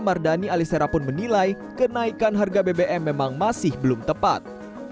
mardani alisera pun menilai kenaikan harga bbm memang masih belum tepat